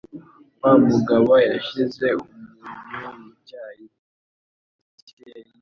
Wa mugabo yashyize umunyu mu cyayi cye yibeshya.